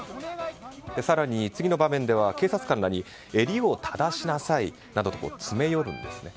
更に、次の場面では警察官らに襟を正しなさいなどと詰め寄るんですね。